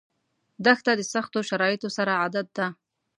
دښته د سختو شرایطو سره عادت ده.